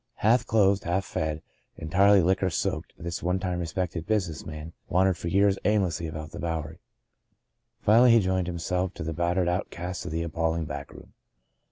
Half clothed, half fed, entirely liquor soaked, this one time respected business man wandered for years aimlessly about the Bowery. Finally, he joined himself to the battered outcasts of that appalling back room.